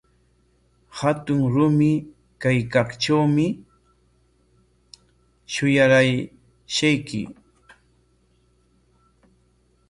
Hatun rumi kaykaqtrawmi shuyarashqayki.